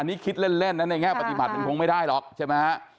นี่คิดเล่นนะในแง่ปฏิบัติมันคงไม่ได้หรอกใช่ไหมฮะ